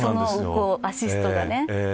アシストが。